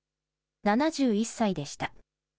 ７１歳でした。